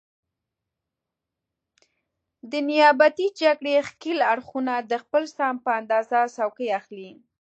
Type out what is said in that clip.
د نیابتي جګړې ښکېل اړخونه د خپل سهم په اندازه څوکۍ اخلي.